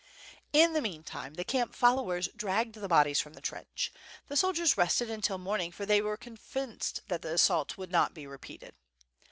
In the meantime the camp followers dragged the bodies from the trench. The soldiers rested until morning, for they were convinced that the assault would not be repeated.